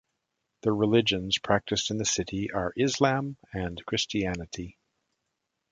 The religions practiced in the city are Islam and Christianity.